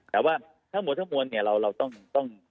แต่ว่าทั้งหมดทั้งมวลเนี่ยเราต้อง